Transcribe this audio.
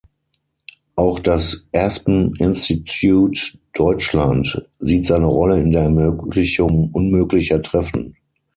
Auch das Aspen Institute Deutschland sieht seine Rolle in der Ermöglichung „unmöglicher Treffen“.